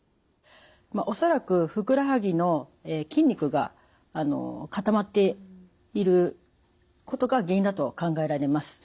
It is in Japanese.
恐らくふくらはぎの筋肉が固まっていることが原因だと考えられます。